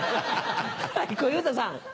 はい小遊三さん。